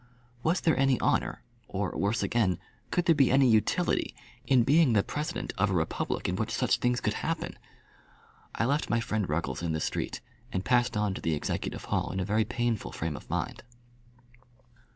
Was there any honour, or worse again, could there be any utility, in being the President of a republic in which such things could happen? I left my friend Ruggles in the street, and passed on to the executive hall in a very painful frame of mind.